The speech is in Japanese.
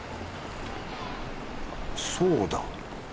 そうだ！